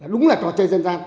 đúng là trò chơi dân gian